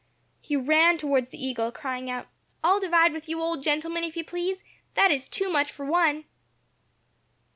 He ran towards the eagle, crying out, "I'll divide with you, old gentleman, if you please; that is too much for one."